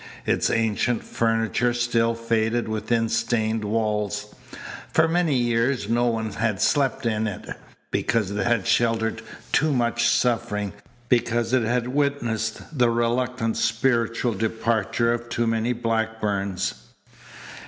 Its ancient furniture still faded within stained walls. For many years no one had slept in it, because it had sheltered too much suffering, because it had witnessed the reluctant spiritual departure of too many Blackburns.